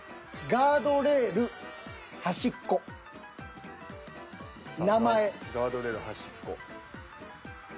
ガードレール端っこ名前。